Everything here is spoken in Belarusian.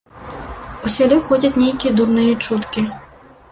У сяле ходзяць нейкія дурныя чуткі.